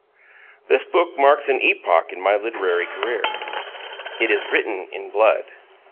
This book marks an epoch in my literary career. It is written in blood.